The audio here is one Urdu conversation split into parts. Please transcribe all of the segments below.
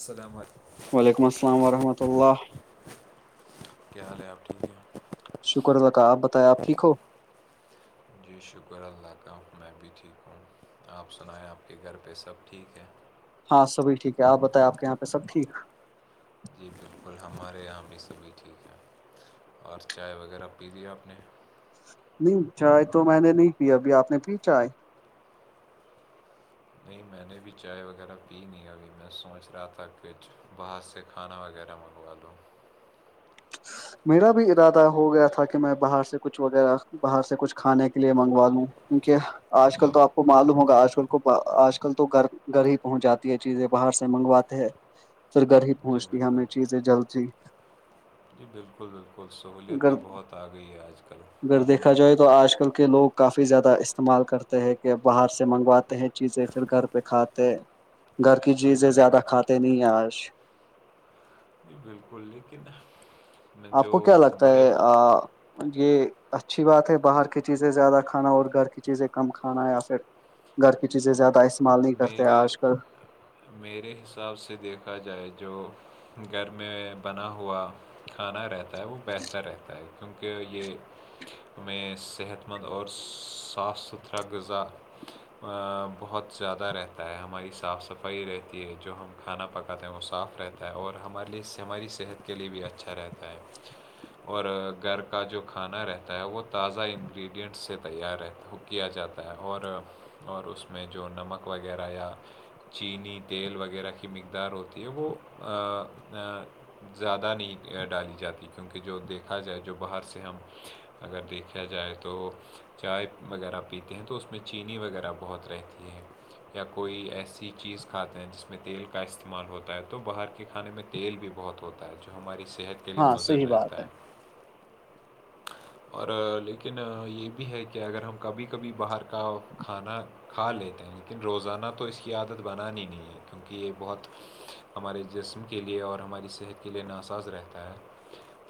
سلام علیکم وعلیکم السلام ورحمۃہ اللہ کیا حال ہے آپکے شکر اللہ کا آپ بتائیں آپ ٹھیک ہو جی شکر اللہ کا میں بھی ٹھک آپ سنایں آپ کے گھر پہ سب ٹھیک ہے ہاں سبھی ٹھیک ہے آپ بتاے آپ کے یہاں پہ سب ٹھیک جی بالکل ہمارے یہاں بھی یہ سبھی ٹھیک ہے اور چائے وغیرہ پی دیا آپ نے نہیں چائے تو میں نے نہیں پی ابھی آپ نے پی چائے نہیں میں نے بھی چائے وغیرہ پی نہیں ابھی میں سوچ رہا تھا پچ باہر سے کھانا وغیرہ منگوا دووں میرا بھی ارادہ ہو گیا تھا کہ میں باہر سے کچھ وغیرہ باہر سے کچھ کھانے کے لیے منگوا لوں کیونکہ آج جی کل تو آپ کو معلوم ہوگا آج کل آج کل تو گھر گھر ہی پہنچ جاتی ہے چیزیں باہر سے منگواتے ہیں پھر گھر ہی جی پہنچتی بالکل ہمیں چیزیں جلد ہی جی بالکل بالکل سہولیت تو اگر بہت آ گئی ہے آج کل اگر ہم دیکھا جائے تو آج کل کہ لوگ کافی زیادہ استعمال کرتے ہیں کہ باہر سے منگواتے ہیں چیزیں پھر گھر پہ کھاتے گھر کی جی چیزیں بالکل زیادہ کھاتے نہیں ہیں آج جی بالکل لیکن میں آپ جو کو کیا لگتا بڑے ہے آ یہ اچھی بات ہے باہر کی چیزیں زیادہ کھانا اور گھر کی چیزیں کم کھانا یا پھر گھر کی چیزیں زیادہ استعمال نہیں کرتے میرے آج کل میرے حساب سے دیکھا جائے جو گھر میں بنا ہوا کھانا رہتا ہے وہ بہتر رہتا ہے کیونکہ یہ ہمیں صحت مند اور صاف ستھرا غذا بہت زیادہ رہتا ہے ہماری صاف صفائی رہتی ہے جو ہم کھانا پکاتے ہیں وہ صاف رہتا اور ہمارے لیے ہماری صحت کے لیے بھی اچھا رہتا ہے اور گھر کا جو کھانا رہتا ہے وہ تازہ انگریڈینٹس سے تیار رہتا کیا جاتا ہے اور اور اس میں جو نمک وغیرہ یا چینی تیل وغیرہ کی مقدار ہوتی ہے وہ زیادہ نہیں ڈالی جاتی کیونکہ جو دیکھا جائے جو باہر سے ہم اگر دیکھا جائے تو چائے وغیرہ پیتے ہیں تو اس میں چینی وغیرہ بہت رہتی ہے تی ہے یا کوئی ایسی چیز کھاتے ہیں جس میں تیل کا استعمال ہوتا ہے تو باہر کے کھانے میں تیل بھی بہت ہوتا ہے جو ہماری صحت کے لیے ہاں مضر صحیح بات رہتا ہے اور لیکن یہ بھی ہے کہ اگر ہم کبھی کبھی باہر کا کھانا کھا لیتے ہیں لیکن روزانہ تو اس کی عادت بنانی نہیں ہے کیونکہ یہ بہت ہمارے جسم کے لیے اور ہماری صحت کے لیے ناساز رہتا ہے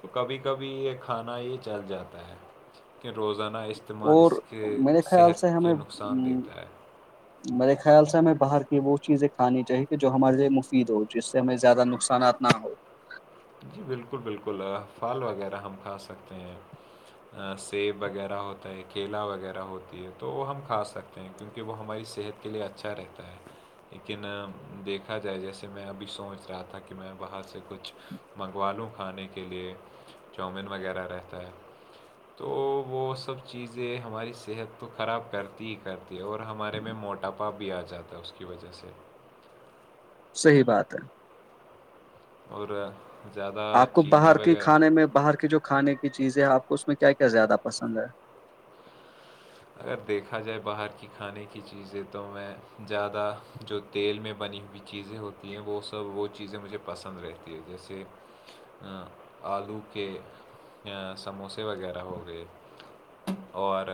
تو کبھی کبھی یہ کھانا یہ چل جاتا ہے کہن روزانہ اس استعمال اور اس کے میرے خیال سے صحت کے ہمیں نقصان دیتا ہے میرے خیال سے ہمیں باہر کی وہ چیزیں کھانی چاہیے کہ جو ہمارے لیے مفید ہو جس یں زیادہ نقصانات نہ ہو جی بالکل بالکل پھل وغیرہ ہم کھا سکتے ہیں سیب وغیرہ ہوتا ہے کیلا وغیرہ ہوتی ہے تو وہ ہم کھا سکتے کیونکہ وہ ہماری صحت کے لیے اچھا رہتا ہے لیکن دیکھا جائے جیسے میں ابھی سوچ رہا تھا کہ میں باہر سے کچھ منگوا لوں کھانے کے لیے چؤومن وغیرہ رہتا ہے تو وہ سب چیزیں ہماری صحت کو خراب کرتی ہی کر تی ہے اور ہمارے میں موٹاپا بھی آ جاتا ہے اس کی وجہ سے صحیح بات ہے اور زیادہ آپ کو چینی باہر کی وغیرہ کھانے میں باہر کی جو کھانے کی چیزیں ہیں آپ کو اس میں کیا کیا زیادہ پسند ہے اگر دیکھا جائے باہر کی کھانے کی چیزیں تو میں زیادہ جو تیل میں بنی ہوئی چیزیں ہوتی ہیں وہ سب وہ چیزیں مجھے پسند رہتی ہے جیسے آلو کے سموسے وغیرہ ہو گئے اور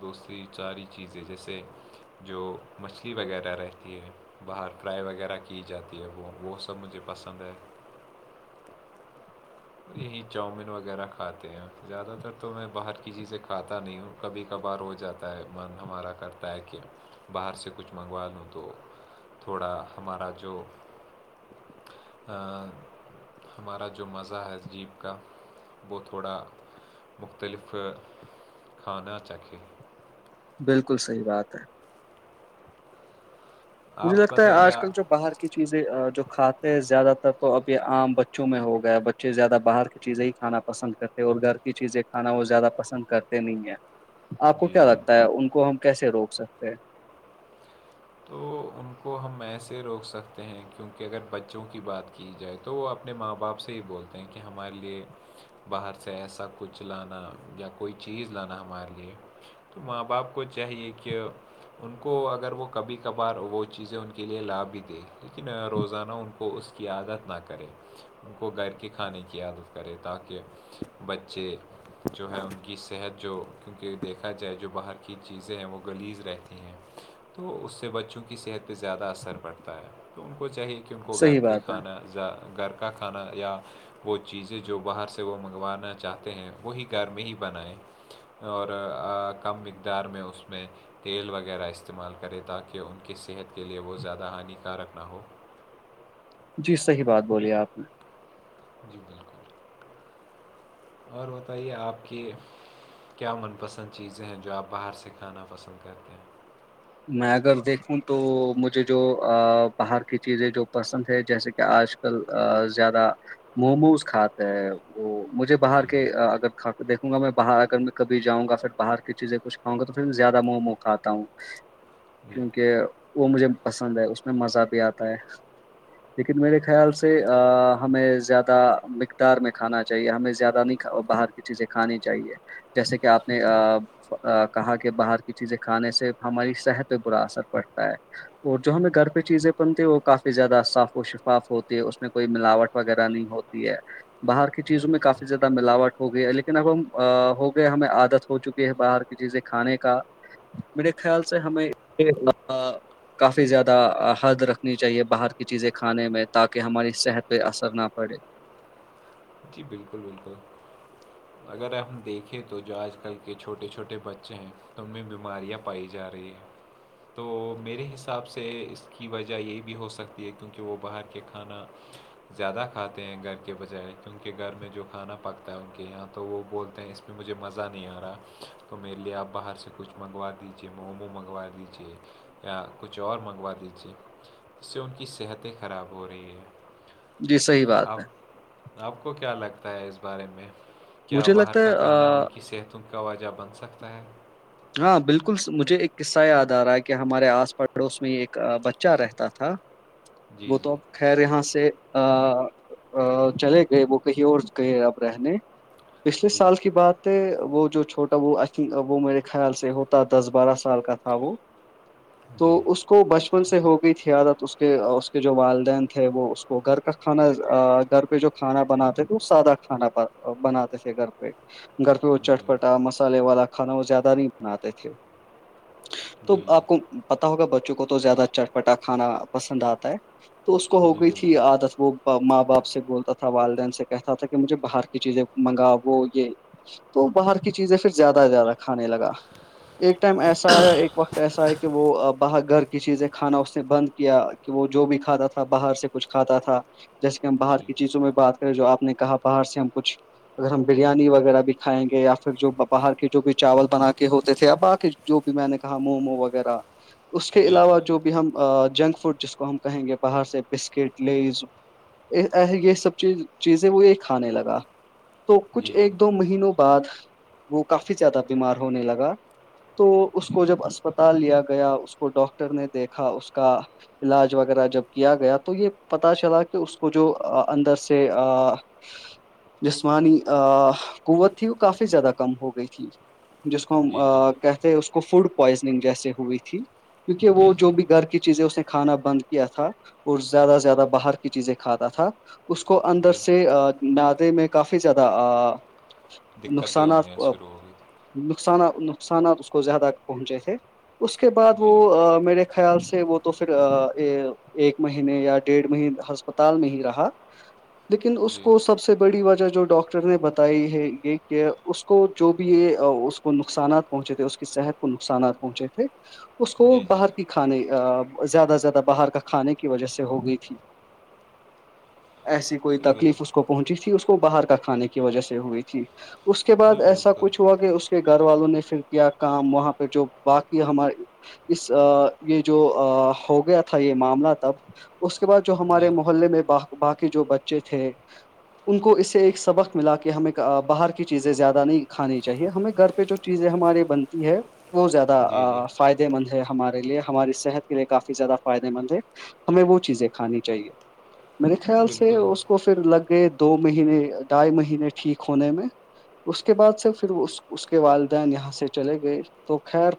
دوستری چاری چیزیں جیسے جو مچھلی وغیرہ رہتی ہے باہر ٹرائی وغیرہ کی جاتی ہے وہ وہ سب مجھے پسند ہے یہی چاؤمین وغیرہ کھاتے ہیں زیادہ تر تو میں باہر کی چیزیں کھاتا نہیں ہوں کبھی کبھار ہو جاتا ہے من ہمارا کرتا ہے کہ باہر سے کچھ منگوا لوں تو تھوڑا ہمارا جو م مزا جیپ کا وہ تھوڑا مختلف کھانا چاہے بالکل صحیح بات ہے مجھے آپ لگتا ہے بتائیے آج آ- کل جو باہر کی چیزیں جو کھاتے ہیں زیادہ تر تو اب یہ عام بچوں میں ہو گیا بچے زیادہ باہر کی چیزیں ہی کھانا پسند کرتے اور گھر کی چیزیں کھانا وہ زیادہ پسند کرتے نہیں ہے آپ کو جی کیا جی لگتا ہے ان کو ہم کیسے روک سکتے ہیں تو ان کو ہم ایسے روک سکتے ہیں کیونکہ اگر بچوں کی بات کی جائے تو وہ اپنے ماں باپ سے ہی بولتے ت کہہ ہمارے لیے باہر سے ایسا کچھ لانا یا کوئی چیز لانا ہمارے لیے تو ماں باپ کو چاہیے کہ ان کو اگر وہ کبھی کبھار وہ چیزیں ان کے لیے لا بھی دے لیکن روزانہ ان کو اس کی عادت نہ کرے ان کو گھر کے کھانے کی عادت کرے تاکہ بچے جو ہے ان کی صحت جو کیونکہ دیکھا جائے جو باہر کی چیزیں ہیں وہ گلیز رہتی ہیں تو اس سے بچوں کی صحت پہ زیادہ اثر پڑتا ہے تو ان کو چاہیے کہ ان کو گھر صحیح کے بات ہے کھانا ذ گھر کا کھانا یا وہ چیزیں جو باہر سے وہ منگوانا چاہتے ہیں وہی گھر میں ہی بنائے اور کم مقدار میں اس میں تیل وغیرہ استعمال کرے تاکہ ان کی صحت کے لیے وہ زیادہ ہانیکارک نہ ہو جی صحیح بات بولی ہے آپ نے جی جالکل اور بتائیے آپ کی کیا من پسند چیزیں ہیں جو آپ باہر سے کھانا پسند کرتے ہیں میں اگر دیکھوں تو مجھے جو باہر کی چیزیں جو پسند ہے جیسے کہ آج زیادہ موموز کھاتا ہے وہ مجھے جی باہر کے اگر کھ دیکھوں گا میں باہر اگر میں کب جاؤں گا پھر باہر کی چیزیں کچھاؤںا تو پھر میں زیادہ مومو کھاتا ہوں جی جی کیونکہ وہ مجھے پسند ہے اس میں مزہ بھی آتا ہے [inaudible] لیکن میرے خیال سے ہمیں زیادہ مقدار میں کھانا چاہیے ہمیں زیادہ نہیںھا باہر کسی سے کھانی چاہیے جیسے کہ آپ نے کہا کہ باہر کی چیزیں کھانے سے ہماری صحت پہ برا اثر پڑتا ہے اور جو ہمیں گھر پہ چیزیں بنتی ہیں وہ کافی زیادہ صاف و شفاف ہوتی ہے اس میں کوئی ملاوٹ وغیرہ نہیں ہوتی باہر کی جی چیزوں میں بالکل کافی زیادہ ملاوٹ ہو گئی ہے لیکن اب ہم ہو گئے ہمیں عادت ہو چکی ہے باہر کی چیزیں کھانے کا میرے خیال سے ہمیں کافی زیادہ حد رکھنی چاہیے باہر کی چیزیں کھانے میں تاکہ ہماری صحت پہ اثر نہ پڑے جی بالکل بالکل اگر ہم دیکھیں تو جو آج کل کے چھوٹے چھوٹے بچے ہیں ان میں بیماریاں پائی جا رہی ہیں تو میرے حساب سے اس کی وجہ یہ بھی ہو سکتی ہے کیونکہ وہ باہر کے کھانا زیادہ کھاتے ہیں گھر کے بچائےے کیونہ گھر میں جو کھانا پکتا ہے ان کے یہاں تو وہ بولتے ہیں اس میں مجھے مزہ نہیں آ رہا تو میرے لیے آپ باہر سے کچھ منگوا دیجیے مومو منگوا دیجیے یا کچھ اور منگوا دیجیے جس سے ان کی صحتیں خراب ہو رہی ہیں جی صحیح بات ہے آپ کو کیا لگتا ہے اس بارے میں کیا مجھے باہر لگتا ہے کا کھانا ان آ، کی صحتوں کا واجہ بن سکتا ہے ہاں بالکل مجھے ایک قصہ یاد آ رہا ہے کہ ہمارے آس پڑوس میں ایک بچہ رہتا تھا [inaudible] وہ تو اب خیر یہاں سے چلے گئے وہ کہیں اور گئے اب رہنے پچھلے جی سال کی بات ہے وہ جو چھوٹا وہ ائی تھنک وہ میرے خیال سے ہوتا دس بارہ سال کا تھا وہ تو جی اس کو بچپن سے ہو گئی تھی عادت اس کے اس کے جو والدین تھے وہ اس کو گھر کا کھانا گھر پہ جو کھانا بناتے تھے وہ سادہ کھانا بناتے تھے گھر پہ گھر پہ وہ جی چٹپٹا مسالے والا کھانا وہ زیادہ نہیں بناتے تھے تو جی آپ کو جی پتا ہوگا بچوں کو تو زیادہ چٹپٹا کھانا پسند آتا ہے تو اس کو ہو جی گئی تھی بالکل عادت وہ ماں باپ سے بولتا تھا والدین سے کہتا تھا کہ مجھے باہر کی چیزیں منگاؤ وہ یہ تو باہر کی چیزیں پھر زیادہ ہی زیادہ کھانے لگا ایک ٹائم ایسا ہے ایک وقت ایسا ہے کہ وہ اب باہر گھر کی چیزیں کھانا اس نے بند کیا کہ وہ جو بھی کھاتا تھا باہر سے کچھ کھاتا تھا جیسے کہ ہم باہر جی کی چیزوں میں بات کریں جو آپ نے کہا باہر سے ہم کچھ اگر ہم بریانی وغیرہ بھی کھائیں گے یا پھر جو باہر کے جو بھی چاول بنا کے ہوتے تھے یا باقی جو بھی میں نے کہا مومو وغیرہ اس کے جی جی علاوہ جو بھی ہم جنک فوڈ جس کو ہم کہیں گے باہر سے بسکٹ لیز یہ سب چیز چیزیں وہ یہ کھانے لگا تو کچھ جی جی ایک دو مہینوں بعد وہ کافی زیادہ بیمار ہونے لگا تو اس جی کو جب اسپتال لیا گیا اس کو ڈاکٹر نے دیکھا اس کا علاج وغیرہ جب کیا گیا تو یہ پتا چلا کہ اس کو جو اندر سے [inaudible] جسمانی قوت تھی وہ کافی زیادہ کم ہو گئی تھی جس کو جی جی ہم کہتے اس کو فوڈ پوائزننگ جیسے ہوئی تھی کیونکہ وہ جی جو بھی جی گھر کی چیزیں اس نے کھانا بند کیا تھا اور زیادہ سے زیادہ باہر کی چیزیں کھاتا تھا اس کو اندر جی سے معدے میں کافی زیادہ دقتیں نقصانات ہونے شروع ہو گئی تھی. نقصان نقصانات اس کو زیادہ پہنچے تھے اس کے بعد وہ جی میرے خیال سے وہ تو پھر ایک مہینے یا ڈیڑھ مہینے ہسپتال میں ہی رہا لیکن اس جی کو سب سے بڑی وجہ جو ڈاکٹر نے بتائی ہے یہ کہ اس کو جو بھی یہ اس کو نقصانات پہنچے تھے اس کی صحت کو نقصانات پہنچے تھے اس کو جی جی باہر کی کھانے زیادہ زیادہ باہر کا کھانے کی وجہ سے ہو گئی تھی ایسی کوئی جی تکلیف بال- اس کو پہنچی تھی اس کو باہر کا کھانے کی وجہ سے ہوئی تھی اس کے بعد جی ایسا بالکل کچھ ہوا کہ اس کے گھر والوں نے پھر کیا کام وہاں پہ جو باقی ہمارے اس یہ جو ہو گیا تھا یہ معاملہ تب اس کے بعد جو ہمارے جی محلے میں باقی جو بچے تھے ان کو اس سے ایک سبق ملا کہ ہمیں باہر کی چیزیں زیادہ نہیں کھانی چاہیے ہمیں گھر پہ جو چیزیں ہماری بنتی ہے وہ زیادہ جی جی فائدہ فائدے مند ہے ہمارے لیے ہماری صحت کے لیے کافی زیادہ فائدے مند ہے ہمیں وہ چیزیں کھانی چاہیے میرے جی خیال سے بالکل اس کو کو پھر لگ گئے دو مہینے ڈھائی مہینے ٹھیک ہونے میں اس کے بعد سے پھر اس اس کے والدین یہاں سے چلے گئے تو خیر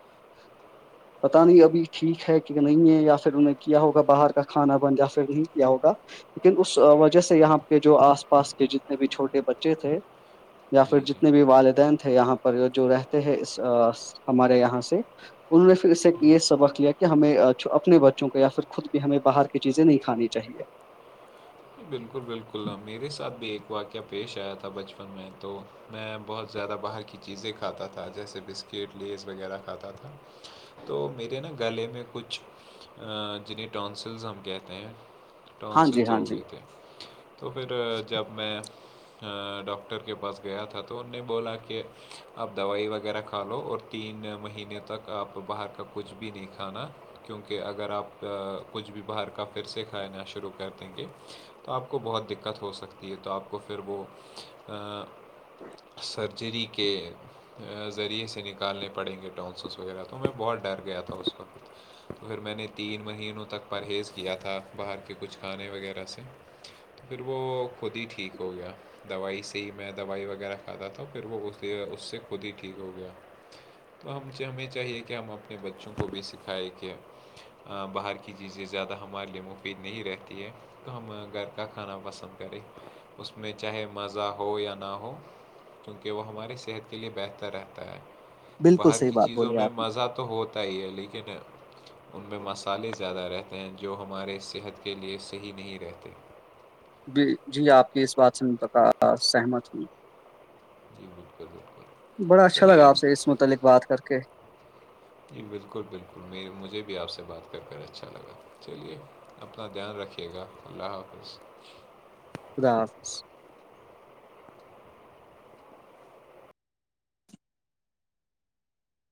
[inaudible] پتا نہیں ابھی ٹھیک ہے کہ نہیں ہے یا پھر انہیں کیا ہوگا باہر کا کھانا بن یا پھر نہیں کیا ہوگا لیکن اس وجہ سے یہاں کےہ جو آس پاس کے جتنے بھی چھوٹے بچے تھے یا پھر جی جی جتنے بھی والدین تھے یہاں پر جو رہتے ہیں ہمارے یہاں سے انہوں نے پھر اس سے یہ سبق لیا کہ ہمیں اپنے بچوں کو یا پھر خود بھی ہمیں باہر چیزیں نہیں کھانی چاہیے بالکل بالکل میرے ساتھ بھی ایک واقعہ پیش آیا تھا بچپن میں تو میں بہت زیادہ باہر کی چیزیں کھاتا تھا جیسے بسکٹ لیس وغیرہ کھاتا تھا تو میرے نا گلے میں کچھ جنہیں ٹونسلز ہم کہتے ہیں ہاں جی ؤنسلس ہاں ہو جی گئے تھے تو پھر جب میں ڈاکٹر کے پاس گیا تھا تو ان نے بولا کہ آپ دوائی وغیرہ کھا لو اور تین مہینے تک آپ باہر کا کچھ بھی نہیں کھانا کیونکہ اگر آپ کچھ بھی باہر کا پھر سے کھانا شروع کر دیں گے تو آپ کو بہت دقت ہو سکتی ہے تو آپ کو پھر وہ سرجری کے ذریعے سے نکالنے پڑیں گے ٹونسس وغیرہ تو میں بہت ڈر گیا تھا اس کو تو پھر میں نے تین مہینوں تک پرہیز کیا تھا باہر کے کچھ کھانے وغیرہ سے پھر وہ خود ہی ٹھیک ہو گیا دوائی سے ہی میں دوائی وغیرہ کھاتا تھا پھر وہ اس سے خود ہی ٹھیک ہو گیا تو ہم ہمیں چاہیے کہ ہم اپنے بچوں کو بھی سکھائےیں کہ باہر کی چیزیں زیادہ ہمارے لیے مفید نہیں رہتی ہے تو ہم ا گھر کا کھانا پسند کرے اس میں چاہے مزہ ہو یا نہ ہو کیونکہ وہ ہمارے صحت کے لئے بہتر رہتا ہے بالکل باہر صحیح کی بات چیزوں بولی میں آپ نے مزہ تو تو ہوتا ہی ہے لیکن ان میں مصالحے زیادہ رہتے ہیں جو ہمارے صحت کے لیے صحیح نہیں رہتے جی آپ کی اس باتن کا سہمت ہوں جی بالکل بالکل بڑا اچھا لگا چلیے آپ سے اس متعلق بات کر کے جی بالکل بالکل م مجھے بھی آپ سے بات کر کر اچھا لگا چلیے اپنا دھیان رکھیے گا اللہ حافظ خدا حافظ